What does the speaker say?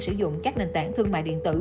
sử dụng các nền tảng thương mại điện tử